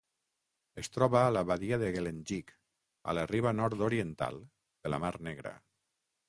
Es troba a la badia de Guelendjik, a la riba nord-oriental de la mar Negra.